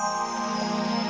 jangan gitu dong